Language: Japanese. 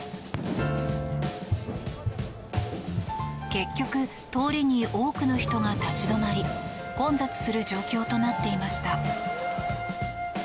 結局通りに多くの人が立ち止まり混雑する状況となっていました。